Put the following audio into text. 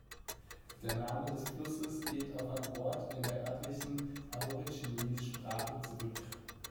Der Name des Flusses geht auf ein Wort in der örtlichen Aborigines-Sprache zurück.